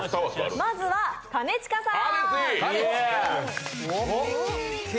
まずは兼近さん。